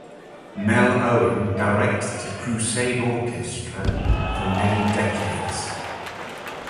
Mel Owen directed the Crusade Orchestra for many decades.